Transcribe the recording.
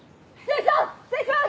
失礼します！